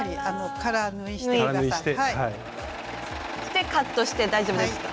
でカットして大丈夫ですか？